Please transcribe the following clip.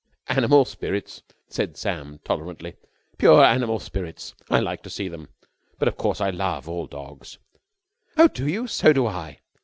"Animal spirits!" said Sam tolerantly. "Pure animal spirits! I like to see them. But, of course, I love all dogs." "Oh, do you? So do I!"